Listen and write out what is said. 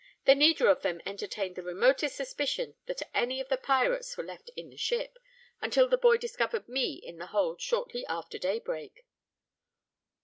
They neither of them entertained the remotest suspicion that any of the pirates were left in the ship, until the boy discovered me in the hold shortly after day break."